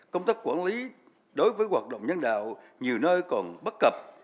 công tác quản lý đối với hoạt động nhân đạo nhiều nơi còn bất cập